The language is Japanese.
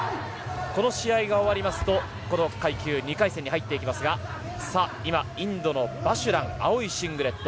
この試合が終わりますとこの階級２回戦に入っていきますがインドのバジュラン青いシングレット。